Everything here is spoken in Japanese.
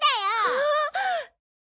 ああ！